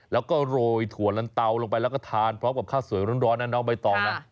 แล้วก็โรยถั่วลันเตาลงไปแล้วก็ทานพร้อมกับข้าวสวยร้อนนะน้องใบตองนะ